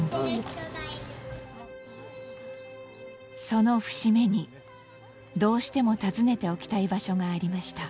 その節目にどうしても訪ねておきたい場所がありました。